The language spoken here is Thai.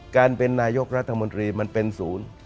การเป็นนายกรัฐมนตรีมันเป็นศูนย์